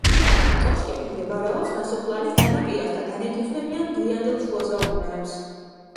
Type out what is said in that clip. კოშკები მდებარეობს ნასოფლარის განაპირას და განეკუთვნებიან გვიანდელ შუა საუკუნეებს.